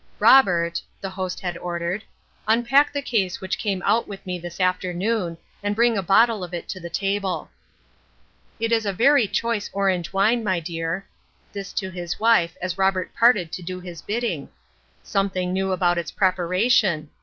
" Robert," the host had ordered, " unpack the case which came out with me this afternoon, and bring a bottle of it to the table." " It is a very choice orange wine, my dear," — this to his wife, as Robert departed to do his bidding, — "something new about its preparation.